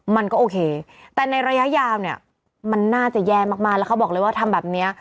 มันก็โอเคแต่ในระยะยาวเนี่ยมันน่าจะแย่มากแล้วเขาบอกเลยว่าทำแบบนี้